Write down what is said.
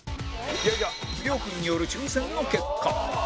亮君による抽選の結果